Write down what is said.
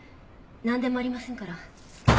なんでもありませんから。